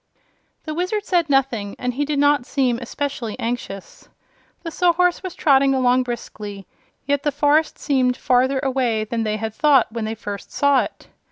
The Wizard said nothing, and he did not seem especially anxious. The Sawhorse was trotting along briskly, yet the forest seemed farther away than they had thought when they first saw it.